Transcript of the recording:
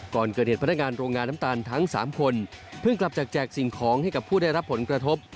ก่อนเกิดเหตุพนักงานโรงงานน้ำตาลทั้ง๓คนเพิ่งกลับจากแจกสิ่งของให้กับผู้ได้รับผลกระทบ